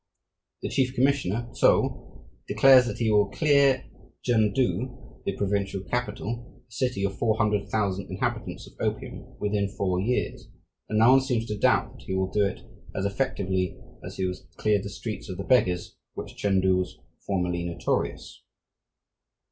The chief commissioner, Tso, declares that he will clear Chen tu, the provincial capital, a city of 400,000 inhabitants, of opium within four years; and no one seems to doubt that he will do it as effectively as he has cleared the streets of the beggars for which Chen tu was formerly notorious.